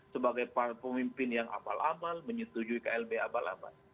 sebagai pemimpin yang abal amal menyetujui klb abal abal